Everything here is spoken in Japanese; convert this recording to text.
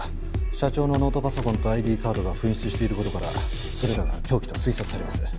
社長のノートパソコンとＩＤカードが紛失している事からそれらが凶器と推察されます。